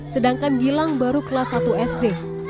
sedangkan gilang baru kelas satu sd